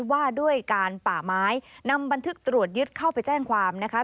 ว่าด้วยการป่าไม้นำบันทึกตรวจยึดเข้าไปแจ้งความนะคะ